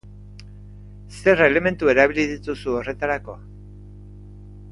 Zer elementu erabili dituzu horretarako?